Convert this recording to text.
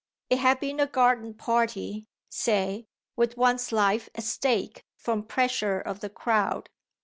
It had been a garden party, say, with one's life at stake from pressure of the crowd.